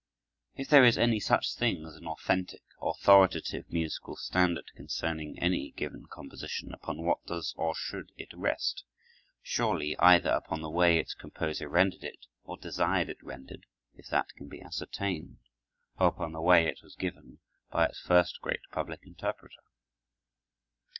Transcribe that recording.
If there is any such thing as an authentic, authoritative musical standard concerning any given composition, upon what does or should it rest? Surely either upon the way its composer rendered it, or desired it rendered, if that can be ascertained, or upon the way it was given by its first great public interpreter.